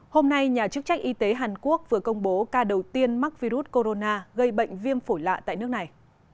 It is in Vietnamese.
hôm nay nhà chức trách y tế hàn quốc vừa công bố ca đầu tiên mắc virus corona gây bệnh viêm phổi lạ tại nước này